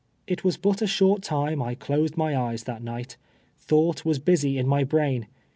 It was but a short time I closed my eyes tliat night. Thought was busy in my brain.